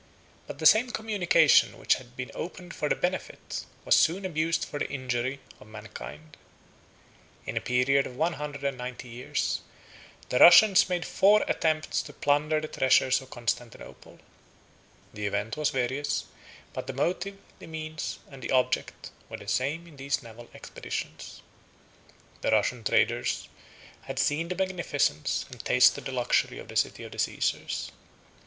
But the same communication which had been opened for the benefit, was soon abused for the injury, of mankind. In a period of one hundred and ninety years, the Russians made four attempts to plunder the treasures of Constantinople: the event was various, but the motive, the means, and the object, were the same in these naval expeditions. 56 The Russian traders had seen the magnificence, and tasted the luxury of the city of the Caesars.